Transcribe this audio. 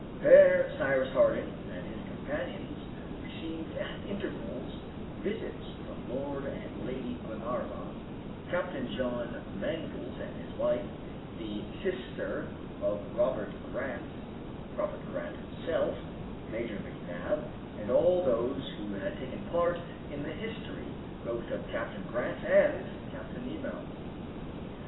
There Cyrus Harding and his companions received at intervals visits from Lord and Lady Glenarvan, Captain John Mangles and his wife, the sister of Robert Grant, Robert Grant himself, Major McNab, and all those who had taken part in the history both of Captain Grant and Captain Nemo.